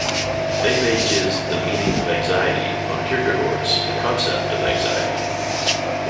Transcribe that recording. May based his "The Meaning of Anxiety" on Kierkegaard's "The Concept of Anxiety".